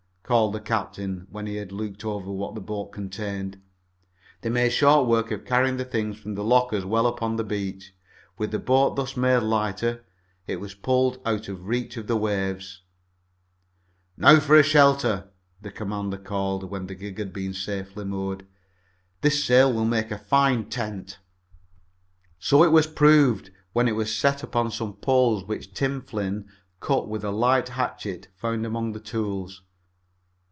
called the captain, when he had looked over what the boat contained. They made short work of carrying the things from the lockers well up on the beach. With the boat thus made lighter, it was pulled out of reach of the waves. "Now for a shelter!" the commander called, when the gig had been safely moored. "This sail will make a fine tent." So it proved when it was set up on some poles which Tim Flynn cut with a light hatchet found among the tools.